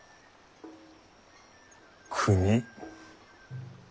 国。